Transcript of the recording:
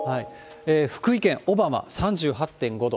福井県小浜３８．５度。